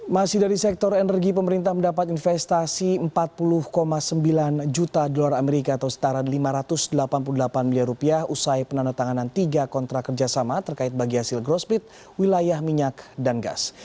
masih dari sektor energi pemerintah mendapat investasi empat puluh sembilan juta dolar amerika atau setara lima ratus delapan puluh delapan miliar rupiah usai penandatanganan tiga kontrak kerjasama terkait bagi hasil growt split wilayah minyak dan gas